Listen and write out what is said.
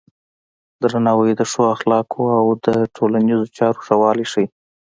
درناوی د ښو اخلاقو او د ټولنیزو چارو ښه والی ښيي.